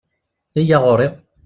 Iyya ɣuṛ-i!